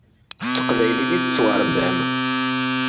S teqbaylit i tettwaṛebbam.